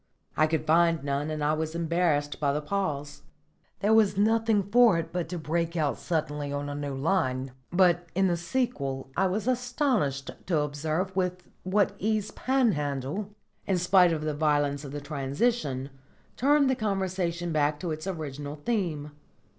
I could find none, and I was embarrassed by the pause. There was nothing for it but to break out suddenly on a new line. But in the sequel I was astonished to observe with what ease Panhandle, in spite of the violence of the transition, turned the conversation back to its original theme.